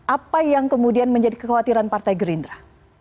apa yang kemudian menjadi kekhawatiran partai gerindra